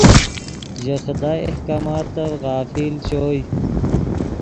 ژے خدائے احکاماتف غافل چوئے